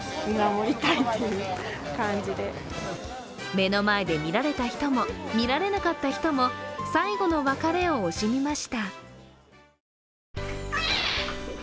目の前で見られた人も見られなかった人も最後の別れを惜しみました。